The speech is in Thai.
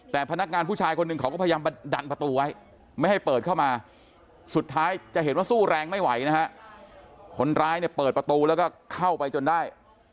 แต่พนักงานผู้ชายคนหนึ่งเขาก็พยายามดันประตูไว้ไม่ให้เปิดเข้ามาสุดท้ายจะเห็นว่าสู้แรงไม่ไหวนะฮะคนร้ายเนี่ยเปิดประตูแล้วก็เข้าไปจนได้